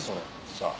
さあ。